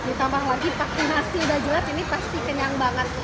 ditambah lagi vaksinasi udah jelas ini pasti kenyang banget